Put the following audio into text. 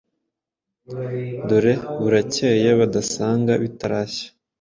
dore burakeye badasanga bitarashya.”